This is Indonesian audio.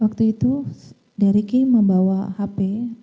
waktu itu dari ricky membawa hp